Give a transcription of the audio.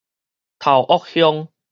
頭屋鄉